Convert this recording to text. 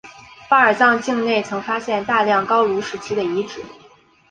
巴尔藏境内曾发现大量高卢时期的遗址。